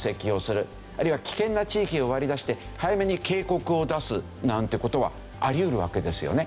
あるいは危険な地域を割り出して早めに警告を出すなんて事はあり得るわけですよね。